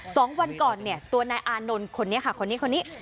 สองวันก่อนเนี่ยตัวนายอานนท์คนนี้ค่ะคนนี้คนนี้